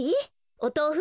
おとうふ？